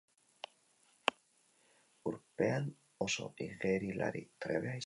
Urpean oso igerilari trebea izaten da.